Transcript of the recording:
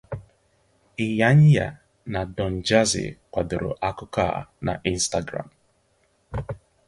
Iyanya na Don Jazzy kwadoro akụkọ a na Instagram.